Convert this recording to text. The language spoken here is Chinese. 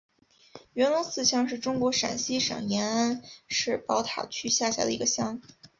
元龙寺乡是中国陕西省延安市宝塔区下辖的一个乡。